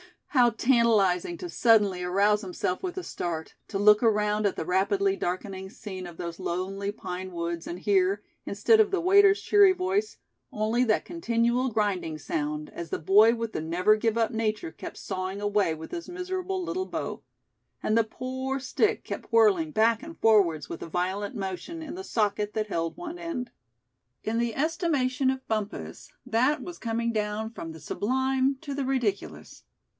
how tantalizing to suddenly arouse himself with a start, to look around at the rapidly darkening scene of those lonely pine woods, and hear, instead of the waiter's cheery voice, only that continual grinding sound, as the boy with the never give up nature kept sawing away with his miserable little bow; and the poor stick kept whirling back and forwards with a violent motion, in the socket that held one end. In the estimation of Bumpus, that was coming down from the sublime to the ridiculous.